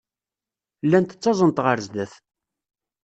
Llant ttaẓent ɣer sdat.